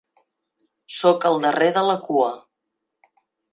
Soc el darrer de la cua.